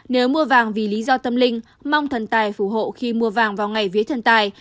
nếu mua vàng vì lý do tâm linh mong thần tài phù hộ khi mua vàng vào ngày vía thần tài